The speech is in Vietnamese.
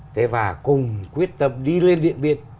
thế và cùng quyết tâm đi lên điện biên